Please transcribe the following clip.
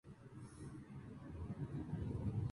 Sprague es el apellido de soltera de su madre.